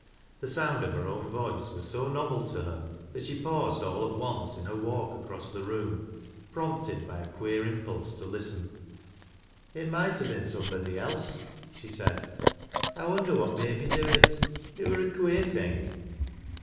The sound of her own voice was so novel to her, that she paused all at once in her walk acres? Ihs room, prompted by a queer impulse to listen. " It moight ha' been somebody else," she said. " I wonder what made me do it. It wur a queer thing."